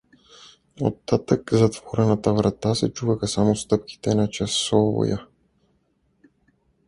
Оттатък затворената врата се чуваха само стъпките на часовоя.